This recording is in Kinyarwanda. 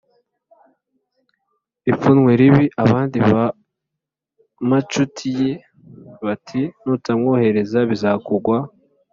ipfunwe ribi?” Abandi b’amacuti ye bati: “Nutamwohereza bizakugwa